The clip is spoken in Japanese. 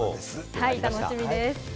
楽しみです。